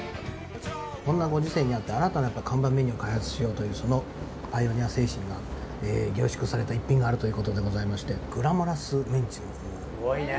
こんなご時世になって新たな看板メニューを開発しようというそのパイオニア精神が凝縮された一品があるということでございまして。